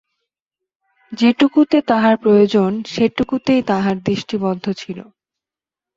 যেটুকুতে তাহার প্রয়োজন সেইটুকুতেই তাহার দৃষ্টি বদ্ধ ছিল।